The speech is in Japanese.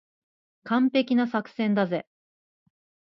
完璧な作戦だぜ。